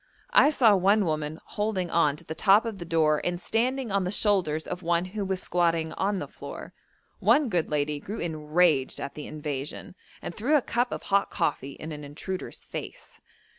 I saw one woman holding on to the top of the door and standing on the shoulders of one who was squatting on the floor. One good lady grew enraged at the invasion, and threw a cup of hot coffee in an intruder's face.